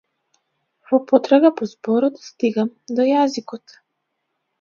Во потрага по зборот стигам до јазикот.